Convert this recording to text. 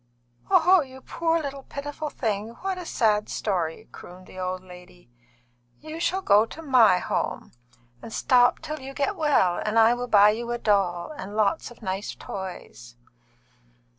"Oh, you poor little pitiful thing! What a sad story!" crooned the old lady. "You shall go to my home, and stop till you get well, and I will buy you a doll and lots of nice toys."